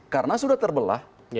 kalau sudah terbelah